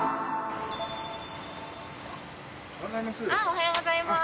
おはようございます。